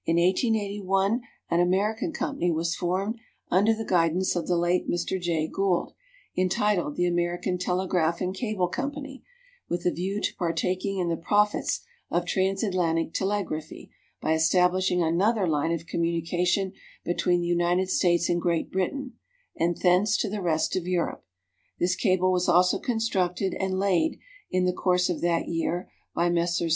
In 1881 an American company was formed, under the guidance of the late Mr. Jay Gould, entitled The American Telegraph and Cable Company, with a view to partaking in the profits of transatlantic telegraphy by establishing another line of communication between the United States and Great Britain, and thence to the rest of Europe. This cable was also constructed and laid (in the course of that year) by Messrs.